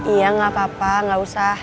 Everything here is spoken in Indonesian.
iya gak apa apa gak usah